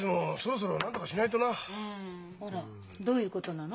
あらどういうことなの？